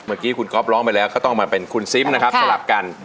เมื่อกี้คุณก๊อฟร้องไปแล้วก็ต้องมาเป็นคุณซิมนะครับสลับกัน